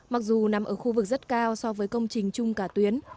mặc dù nằm ở khu vực rất cao so với công trình chung cả tuyến